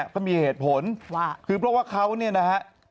เขามีเหตุผลว่าคือเพราะว่าเขาเนี่ยนะฮะ